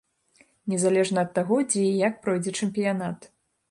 Незалежна ад таго, дзе і як пройдзе чэмпіянат.